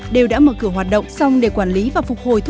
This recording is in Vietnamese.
đều đã mở cửa hoạt động xong để quản lý và phục hồi